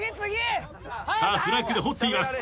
フラッグで掘っています。